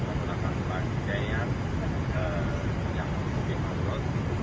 sedangkan untuk jemaah wanita akan menggunakan pakaian yang mungkin aurot